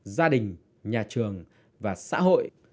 gia đình nhà trường và xã hội